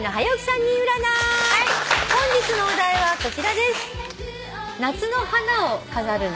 本日のお題はこちらです。